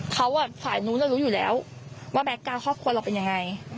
เขาฝ่ายนู้นเรารู้อยู่แล้วว่าแก๊กกาวน์ครอบครัวเราเป็นยังไง